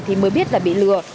thì mới biết là bị lừa